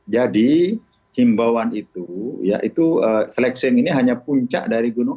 jadi himbauan itu yaitu flexing ini hanya puncak dari gunung